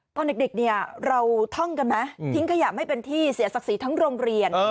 ตอนเด็กเนี่ยเราท่องกันไหมทิ้งขยะไม่เป็นที่เสียศักดิ์ศรีทั้งโรงเรียน